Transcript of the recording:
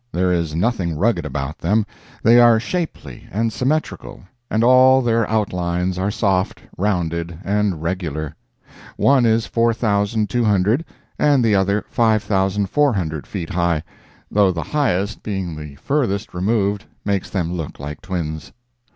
There is nothing rugged about them—they are shapely and symmetrical, and all their outlines are soft, rounded and regular. One is 4,200 and the other 5,400 feet high, though the highest being the furthest removed makes them look like twins.